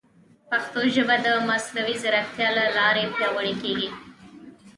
پښتو ژبه د مصنوعي ځیرکتیا له لارې پیاوړې کیږي.